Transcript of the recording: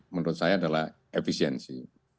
menurut saya adalah efisiensi